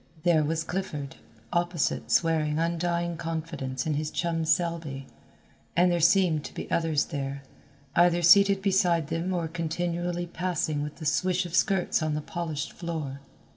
There was Clifford opposite swearing undying confidence in his chum Selby, and there seemed to be others there, either seated beside them or continually passing with the swish of skirts on the polished floor.